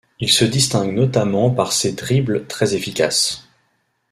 Il se distingue notamment par ses dribbles très efficaces.